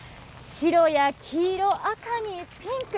白や黄色、赤にピンク。